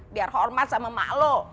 biar hormat sama emak lu